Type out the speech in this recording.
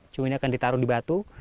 cumi ini akan ditaruh di batu